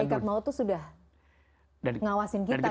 atau malaikat maut tuh sudah ngawasin kita gitu